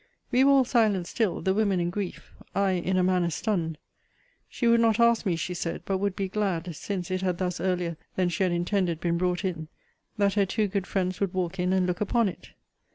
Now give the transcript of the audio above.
We were all silent still, the women in grief; I in a manner stunned. She would not ask me, she said; but would be glad, since it had thus earlier than she had intended been brought in, that her two good friends would walk in and look upon it.